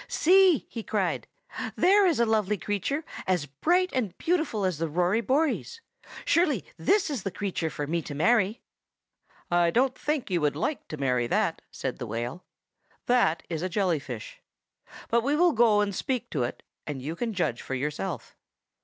"See!" he cried, "there is a lovely creature, as bright and beautiful as the Rory Bories. Surely this is the creature for me to marry!" "I don't think you would like to marry that," said the whale. "That is a jelly fish. But we will go and speak to it, and you can judge for yourself."